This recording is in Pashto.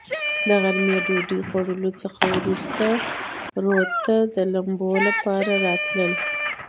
د غرمې ډوډوۍ خوړلو څخه ورورسته رود ته د لمبو لپاره راتلل.